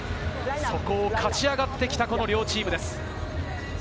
そこを勝ち上がってきたこの両チームです。